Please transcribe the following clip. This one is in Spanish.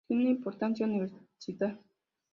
Tiene una importante universidad.